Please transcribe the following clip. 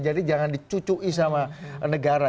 jangan dicucui sama negara